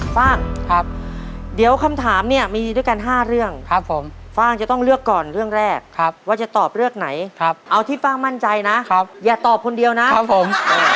ฟ่างครับเดี๋ยวคำถามเนี่ยมีด้วยกัน๕เรื่องครับผมฟ่างจะต้องเลือกก่อนเรื่องแรกว่าจะตอบเรื่องไหนเอาที่ฟ่างมั่นใจนะอย่าตอบคนเดียวนะครับผม